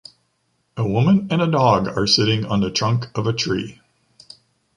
A woman and a dog are sitting on the trunk of a tree.